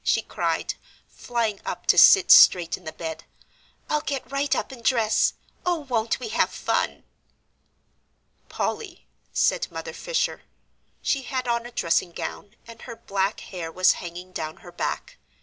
she cried, flying up to sit straight in the bed. "I'll get right up and dress; oh, won't we have fun!" "Polly," said Mother Fisher. She had on a dressing gown, and her black hair was hanging down her back.